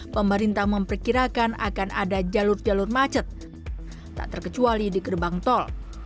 pemerintah memperkirakan akan ada jalur jalur macet tak terkecuali di gerbang tol